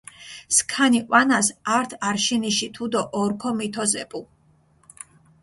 სქანი ჸვანას ართ არშინიში თუდო ორქო მითოზეპუ.